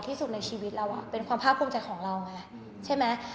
ที่สุดในชีวิตเราเป็นความภาคภูมิใจของเราไงใช่ไหม